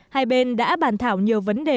hai bên đã bàn thảo nhiều vấn đề